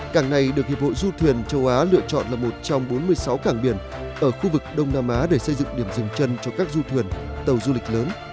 cảng này được hiệp hội du thuyền châu á lựa chọn là một trong bốn mươi sáu cảng biển ở khu vực đông nam á để xây dựng điểm dừng chân cho các du thuyền tàu du lịch lớn